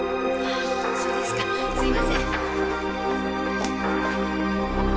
そうですかすいません。